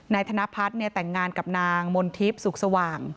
นายธนพัฒน์เนี่ยแต่งงานกับนางมณฑิปสุขสว่าง